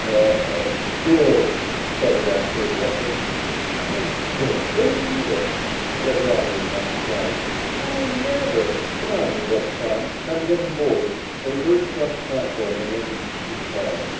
"A a girl," sputtered Astro, blushing. "I don't believe it," said Roger in mock surprise. "I never " "Come on," interrupted Tom. "Time to get aboard." They hurried across the platform and entered the sleek car.